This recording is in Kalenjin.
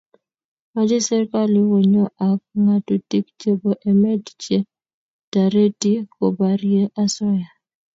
mache serikalit konyo ak ngatutik chebo emet che tareti koparie asoya